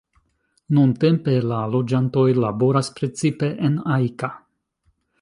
Nuntempe la loĝantoj laboras precipe en Ajka.